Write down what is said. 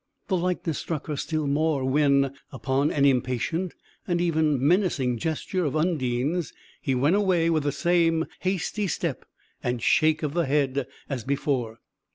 The likeness struck her still more, when, upon an impatient and even menacing gesture of Undine's, he went away with the same hasty step and shake of the head as before.